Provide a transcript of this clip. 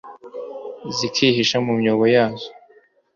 zikihisha mu myobo yazo